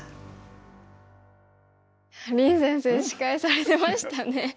林先生司会されてましたね。